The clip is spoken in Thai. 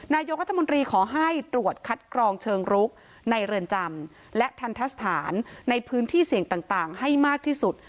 นายกรัฐมนตรีขอให้ตรวจคัดกรองเชิงรุกในเรือนจำและทันทะสถานในพื้นที่เสี่ยงต่างให้มากที่สุด